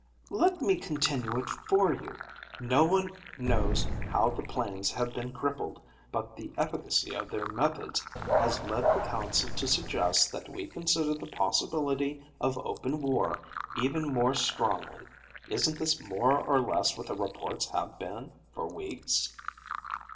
"Let me continue it for you. No one knows how the planes have been crippled, but the efficacy of their methods has lead the council to suggest that we consider the possibility of open war even more strongly. Isn't this more or less what the reports have been for weeks?"